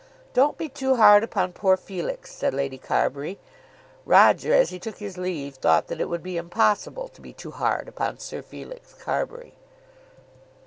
"Don't be too hard upon poor Felix," said Lady Carbury. Roger, as he took his leave, thought that it would be impossible to be too hard upon Sir Felix Carbury.